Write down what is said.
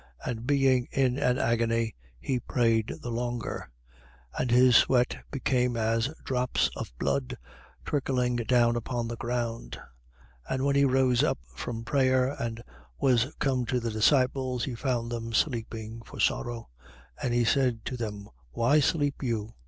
And being in an agony, he prayed the longer. 22:44. And his sweat became as drops of blood, trickling down upon the ground. 22:45. And when he rose up from prayer and was come to the disciples, he found them sleeping for sorrow. 22:46. And he said to them: Why sleep you?